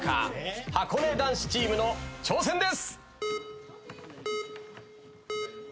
はこね男子チームの挑戦です。